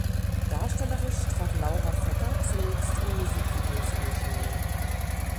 Darstellerisch trat Laura Vetter zunächst in Musikvideos in Erscheinung.